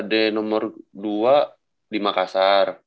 d nomor dua di makassar